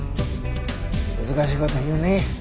難しい事言うね。